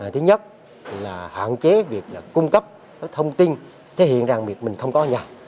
thứ nhất là hạn chế việc là cung cấp thông tin thể hiện rằng việc mình không có nhà